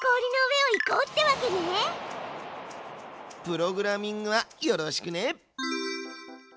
プログラミングはよろしくね！